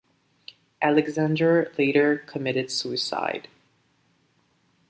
Alexander later committed suicide.